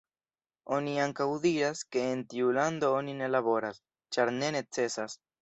Oni ankaŭ diras, ke en tiu lando oni ne laboras, ĉar ne necesas.